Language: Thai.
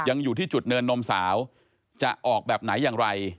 อยู่ที่จุดเนินนมสาวจะออกแบบไหนอย่างไร